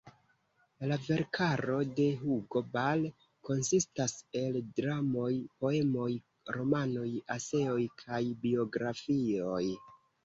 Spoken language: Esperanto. La verkaro de Hugo Ball konsistas el dramoj, poemoj, romanoj, eseoj kaj biografioj.